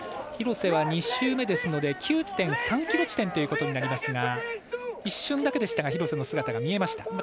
廣瀬は２周目ですので９．３ｋｍ地点ということですが一瞬だけでしたが廣瀬の姿が見えました。